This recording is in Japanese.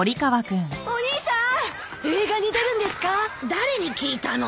誰に聞いたの？